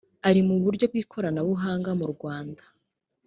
ari mu buryo bw ikoranabuhanga murwanda